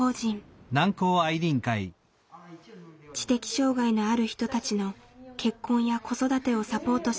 知的障害のある人たちの結婚や子育てをサポートしています。